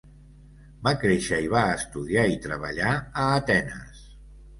Va créixer i va estudiar i treballar a Atenes.